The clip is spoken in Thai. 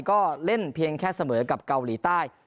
ก็เล่นเพียงแค่เสมอกับเกาหลีใต้